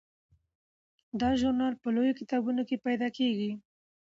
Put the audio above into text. دا ژورنال په لویو کتابتونونو کې پیدا کیږي.